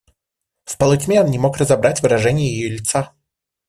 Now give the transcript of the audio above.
В полутьме он не мог разобрать выражение ее лица.